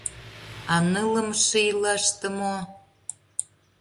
А ныллымше ийлаште мо?